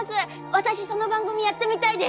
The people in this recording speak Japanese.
私その番組やってみたいです！